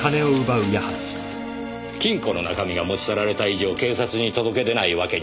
金庫の中身が持ち去られた以上警察に届け出ないわけにはいかない。